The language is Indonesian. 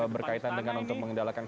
berkaitan dengan untuk